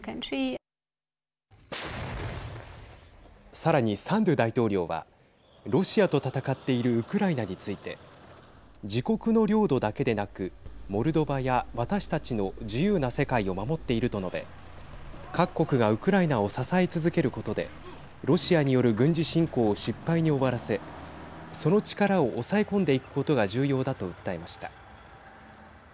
さらに、サンドゥ大統領はロシアと戦っているウクライナについて自国の領土だけでなくモルドバや私たちの自由な世界を守っていると述べ各国がウクライナを支え続けることでロシアによる軍事侵攻を失敗に終わらせその力を抑え込んでいくことが重要だと訴えました。